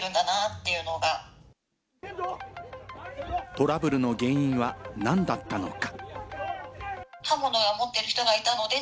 トラブルの原因は何だったのか？